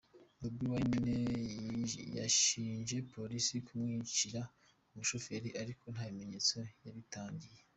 Bobi Wine yashinje Polisi kumwicira umushoferi ariko nta bimenyetso yabitangiye.